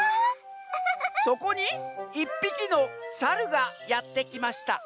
「そこにいっぴきのサルがやってきました」。